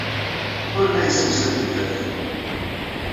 Ur la yessemsad tiferyin.